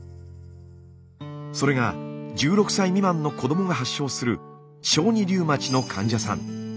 それが１６歳未満の子どもが発症する小児リウマチの患者さん。